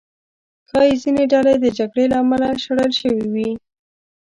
ښایي ځینې ډلې د جګړې له امله شړل شوي وو.